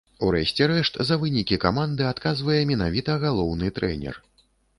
У рэшце рэшт, за вынікі каманды адказвае менавіта галоўны трэнер.